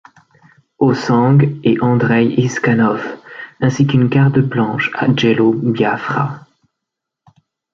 Ossang et Andrey Iskanov ainsi qu'une carte blanche à Jello Biafra.